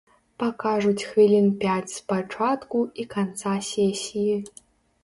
Пакажуць хвілін пяць з пачатку і канца сесіі.